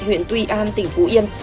huyện tuy an tỉnh phú yên